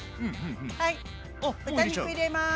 はい豚肉入れます。